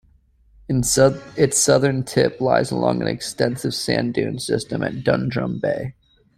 Its southern tip lies along an extensive sand dune system at Dundrum Bay.